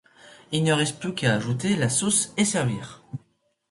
Il ne reste plus qu'à ajouter la sauce et servir.